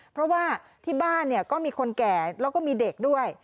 เพราะว่าที่บ้านเนี่ยก็มีคนแก่แล้วก็มีเด็กด้วย